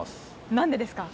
何でですか？